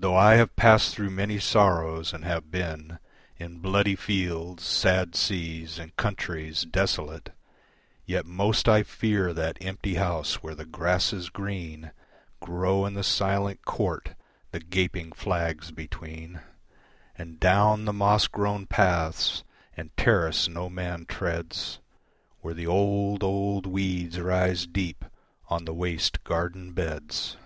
Though I have passed through many sorrows and have been In bloody fields, sad seas, and countries desolate, Yet most I fear that empty house where the grasses green Grow in the silent court the gaping flags between, And down the moss grown paths and terrace no man treads Where the old, old weeds rise deep on the waste garden beds.